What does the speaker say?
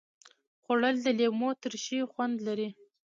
خوړل د لیمو ترشي خوند لري